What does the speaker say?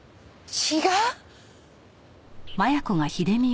違う！